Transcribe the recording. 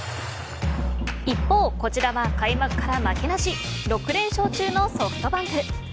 一方、こちらは開幕から負けなし６連勝中のソフトバンク。